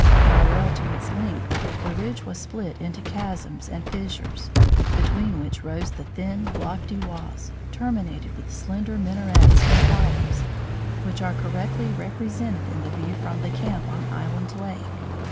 Parallel to its length, the ridge was split into chasms and fissures, between which rose the thin, lofty walls, terminated with slender minarets and columns, which are correctly represented in the view from the camp on Island Lake.